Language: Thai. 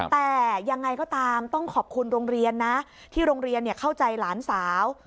แต่ยังไงก็ตามต้องขอบคุณโรงเรียนนะที่โรงเรียนเข้าใจหลานสาว